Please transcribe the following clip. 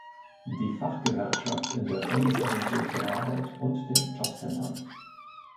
Die Fachgewerkschaft in der Bundesagentur für Arbeit und den Jobcentern.